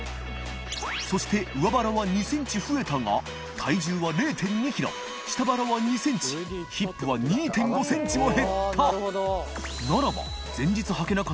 磴修靴上腹は２ｃｍ増えたが体重は０．２ｋｇ祺縞△錬横磽ヒップは２．５ｃｍも減った磴